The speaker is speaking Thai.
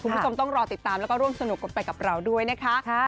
คุณผู้ชมต้องรอติดตามแล้วก็ร่วมสนุกกันไปกับเราด้วยนะคะ